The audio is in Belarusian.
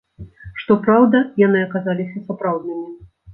Што праўда, яны аказаліся сапраўднымі.